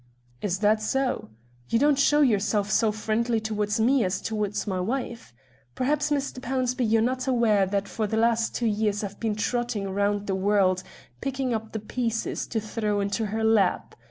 "Is that so? You don't show yourself so friendly towards me as towards my wife. Perhaps, Mr. Pownceby, you're not aware that for the last two years I've been trotting round the world picking up the pieces to throw into her lap.